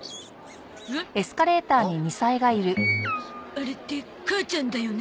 あれって母ちゃんだよね？